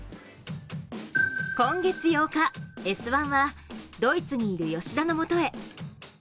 今月８日、「Ｓ☆１」はドイツにいる吉田のもとへ。